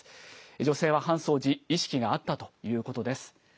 女性は搬送時、意識があったということです。